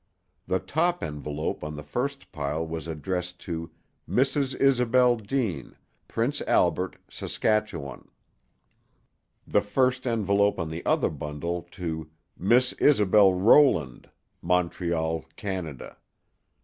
The top envelope on the first pile was addressed to "Mrs. Isobel Deane, Prince Albert, Saskatchewan"; the first envelope of the other bundle to "Miss Isobel Rowland, Montreal, Canada."